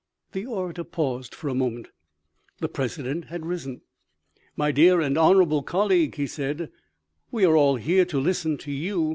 The orator paused for a moment. The president had risen :" My dear and honorable colleague," he said, " we are all here to listen to you.